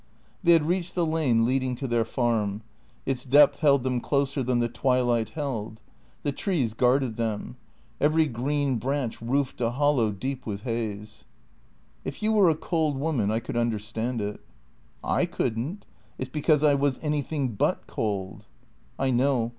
They had reached the lane leading to their farm. Its depth held them closer than the twilight held. The trees guarded them. Every green branch roofed a hollow deep with haze. " If you were a cold woman I could understand it." "I couldn't. It's because I was anything but cold." " I know.